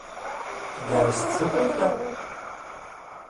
Tgerrez tsuqilt-a!